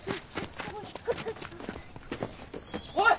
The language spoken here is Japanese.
おい。